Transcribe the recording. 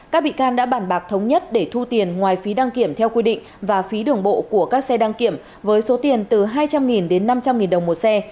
các bị can đã bản bạc thống nhất để thu tiền ngoài phí đăng kiểm theo quy định và phí đường bộ của các xe đăng kiểm với số tiền từ hai trăm linh đến năm trăm linh đồng một xe